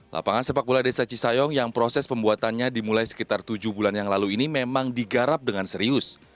lapangan sepak bola desa cisayong yang proses pembuatannya dimulai sekitar tujuh bulan yang lalu ini memang digarap dengan serius